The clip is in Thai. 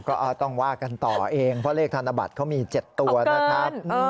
ก็ต้องว่ากันต่อเองเพราะเลขธนบัตรเขามี๗ตัวนะครับ